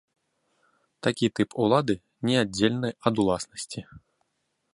Такі тып улады неаддзельны ад уласнасці.